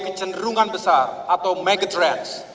kecenderungan besar atau megatrends